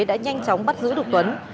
đã nhanh chóng bắt giữ được tuấn